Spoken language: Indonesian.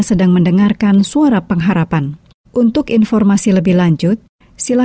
sampai jumpa di video selanjutnya